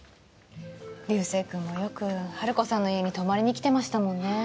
流星くんもよく治子さんの家に泊まりにきてましたもんね。